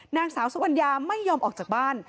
นางสาวสุกัญญาไม่ยอมออกจากบ้าน